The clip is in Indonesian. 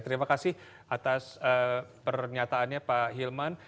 terima kasih atas pernyataannya pak hilman